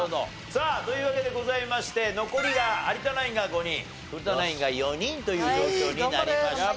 さあというわけでございまして残りが有田ナインが５人古田ナインが４人という状況になりました。